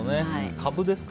カブですか？